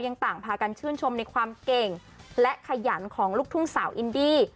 ต่างพากันชื่นชมในความเก่งและขยันของลูกทุ่งสาวอินดี้